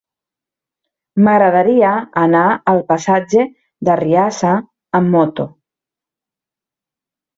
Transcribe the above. M'agradaria anar al passatge d'Arriassa amb moto.